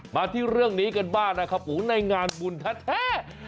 มาที่เรื่องนี้กันบ้างนะครับในงานบุญแท้